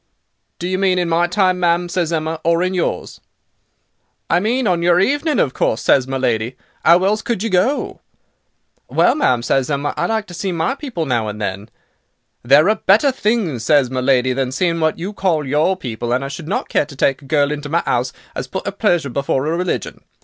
"'Do you mean in my time, ma'am,' says Emma, 'or in yours.' "'I mean on your evening of course,' says my lady. ''Ow else could you go?' "'Well, ma'am,' says Emma, 'I like to see my people now and then.' "'There are better things,' says my lady, 'than seeing what you call your people, and I should not care to take a girl into my 'ouse as put 'er pleasure before 'er religion.